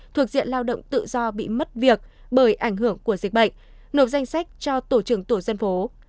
thuộc diện lao động tự do bị mất việc bởi ảnh hưởng của dịch bệnh nộp danh sách cho tổ trưởng tổ dân phố